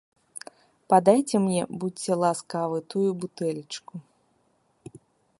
Падайце мне, будзьце ласкавы, тую бутэлечку.